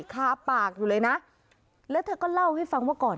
คาปากอยู่เลยนะแล้วเธอก็เล่าให้ฟังว่าก่อน